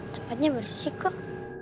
tempatnya bersih kok